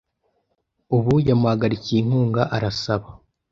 ubu yamuhagarikiye inkunga Arasaba